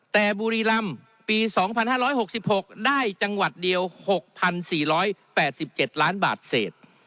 แต่บุรีลำปีสองพันห้าร้อยหกสิบหกได้จังหวัดเดียวหกพันสี่ร้อยแปดสิบเจ็ดล้านบาทเศษ